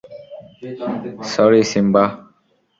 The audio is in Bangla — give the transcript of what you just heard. Sorry, Simba.